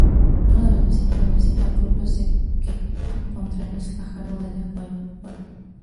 Uno de los vecinos, Pascual Rubio, se querelló contra Luis Fajardo de la Cueva.